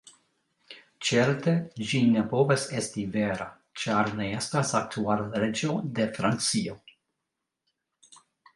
Certe ĝi ne povas esti vera, ĉar ne estas aktuala reĝo de Francio.